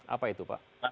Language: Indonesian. apa itu pak